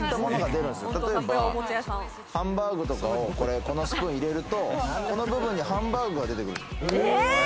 例えばハンバーグとかをこのスプーンに入れると、この部分にハンバーグが出てくる。